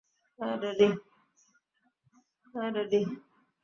হ্যাঁঁ, - রেডি।